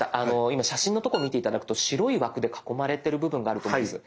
今写真のとこ見て頂くと白い枠で囲まれてる部分があると思うんです。